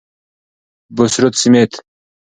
بوسورت سمیت :